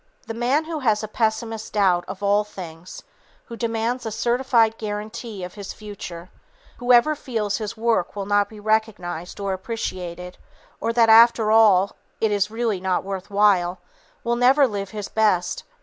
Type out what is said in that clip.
The man who has a pessimist's doubt of all things; who demands a certified guarantee of his future; who ever fears his work will not be recognized or appreciated; or that after all, it is really not worth while, will never live his best.